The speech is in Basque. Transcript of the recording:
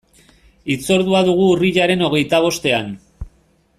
Hitzordua dugu urriaren hogeita bostean.